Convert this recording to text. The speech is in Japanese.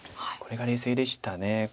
これが冷静でした。